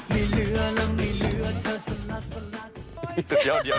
มีเรือแล้วมีเลือดเธอสนัดสนัด